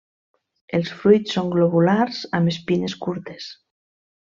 Els fruits són globulars amb espines curtes.